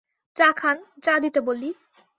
চা খান, চা দিতে বলি।